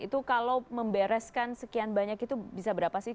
itu kalau membereskan sekian banyak itu bisa berapa sih